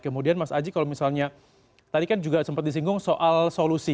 kemudian mas aji kalau misalnya tadi kan juga sempat disinggung soal solusi